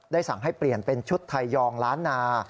สั่งให้เปลี่ยนเป็นชุดไทยยองล้านนา